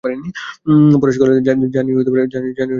পরেশ কহিলেন, জানি এতে একটা সংকট উপস্থিত হবে।